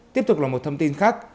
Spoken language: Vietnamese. tiếp tục là một thông tin khác